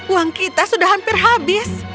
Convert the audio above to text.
uang kita sudah hampir habis